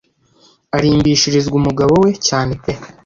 arimbishirizwa umugabo we cyane pe